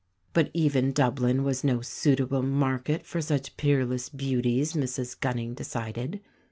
But even Dublin was no suitable market for such peerless beauties, Mrs Gunning decided.